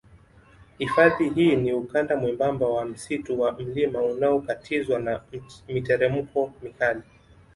Hifadhi hii ni ukanda mwembamba wa msitu wa mlima unaokatizwa na miteremko mikali